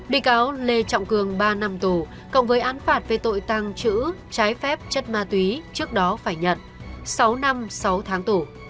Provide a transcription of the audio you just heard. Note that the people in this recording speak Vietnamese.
bị cáo lê trọng cường ba năm tù cộng với án phạt về tội tăng trữ trái phép chất ma túy trước đó phải nhận sáu năm sáu tháng tù